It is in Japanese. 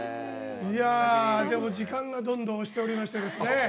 でも時間がどんどん押しておりまして。